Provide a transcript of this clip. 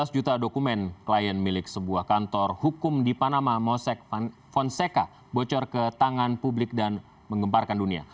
lima belas juta dokumen klien milik sebuah kantor hukum di panama mosek fonseca bocor ke tangan publik dan mengemparkan dunia